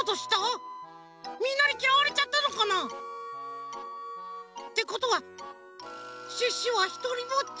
みんなにきらわれちゃったのかな？ってことはシュッシュはひとりぼっち？